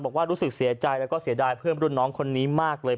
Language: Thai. บอกว่ารู้สึกเสียใจและสะดายเพื่อนรุ่นน้องคนนี้มากเลย